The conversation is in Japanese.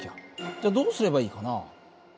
じゃどうすればいいかな？